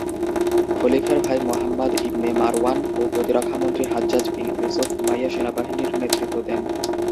খলিফার ভাই Muhammad ibn Marwan ও প্রতিরক্ষা মন্ত্রী হাজ্জাজ বিন ইউসুফ উমাইয়া সেনাবাহিনীর নেতৃত্ব দেন।